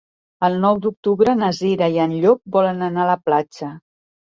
El nou d'octubre na Cira i en Llop volen anar a la platja.